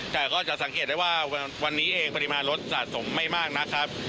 แต่ก็จะสังเกตได้ว่าวันนี้เองปริมาณรถสะสมไม่มากนะครับ